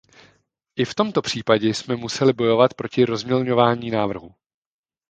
I v tomto případě jsme museli bojovat proti rozmělňování návrhů.